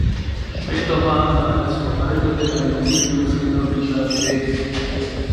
Später war er als Verwalter bei einer Siedlungsgenossenschaft tätig.